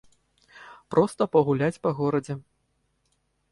Проста пагуляць па горадзе.